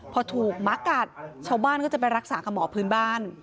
พอถูกหมากัดชาวบ้านก็จะไปรักษากับหมอพื้นบ้าน